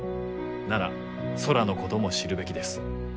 なら空のことも知るべきです。